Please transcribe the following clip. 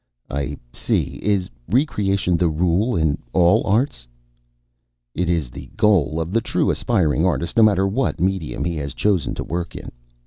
"I see. Is re creation the rule in all the arts?" "It is the goal of the true aspiring artist, no matter what medium he has chosen to work in.